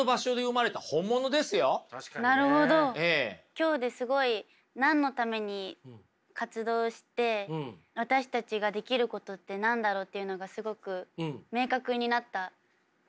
今日ですごい何のために活動して私たちができることって何だろうっていうのがすごく明確になった気がしました